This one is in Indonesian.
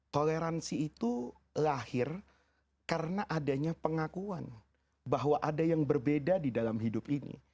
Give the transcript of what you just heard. toleransi itu lahir karena adanya pengakuan bahwa ada yang berbeda di dalam hidup ini